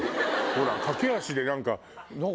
ほら駆け足で何か。